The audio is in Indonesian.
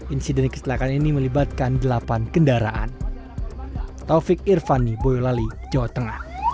insiden keselakaan ini melibatkan delapan kendaraan